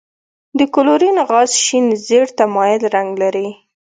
د کلورین غاز شین زیړ ته مایل رنګ لري.